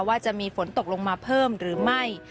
ว่าจะมีฝนตกลงมาเพิ่มหรือไม่